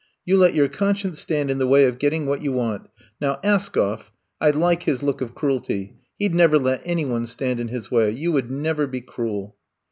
You let your conscience stand in the way of getting what you want. Now, Askoflf — I like his look of cruelty — ^he 'd never let any one stand in his way. You would never be cruel.